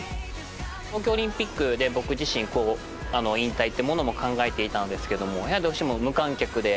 東京オリンピックで僕自身引退ってものも考えていたのですけれどもやはりどうしても無観客で。